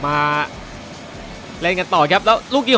สนามโรงเรียนสมุทรสาคอนวุฒิชัย